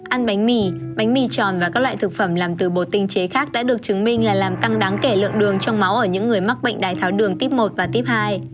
ăn bánh mì bánh mì tròn và các loại thực phẩm làm từ bột tinh chế khác đã được chứng minh là làm tăng đáng kể lượng đường trong máu ở những người mắc bệnh đai tháo đường tuyếp một và típ hai